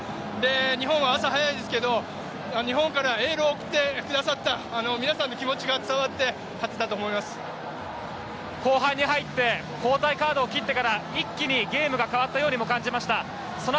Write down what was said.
日本は朝早いですけど日本からエールを送ってくださった皆さんの気持ちが伝わって後半に入って交代カードを切ってから一気にゲームが変わったようにも感じました。